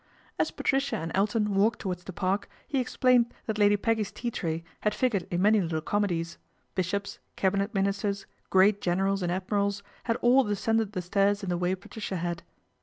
As Patricia and Elton walked towards the Park he explained that Lady Peggy's tea tray had figured in many little comedies. Bishops, Cabinet Ministers, great generals and admirals had all descended the stairs in the way Patricia had.